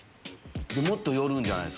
もっと寄るんじゃない？